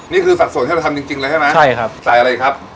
สัดส่วนที่เราทำจริงเลยใช่ไหมใช่ครับใส่อะไรครับ